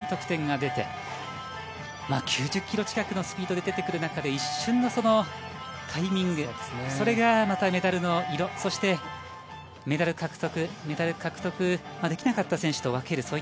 飛型点は高い得点が出て９０キロ近くのスピードで出てくる中で一瞬のタイミングそれがまたメダルの色メダル獲得ができなかった選手と分ける。